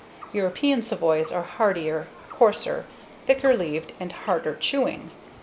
European savoys are hardier, coarser, thicker leaved, and harder chewing.